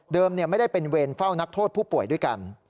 ไม่ได้เป็นเวรเฝ้านักโทษผู้ป่วยด้วยกัน